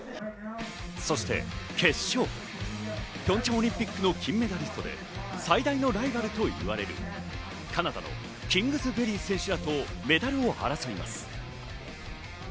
そして決勝、ピョンチャンオリンピックの金メダリストで最大のライバルと言われる、カナダのキングズベリー選手らとメダルを争います。